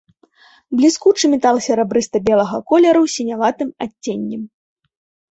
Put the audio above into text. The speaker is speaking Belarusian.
Бліскучы метал серабрыста-белага колеру з сіняватым адценнем.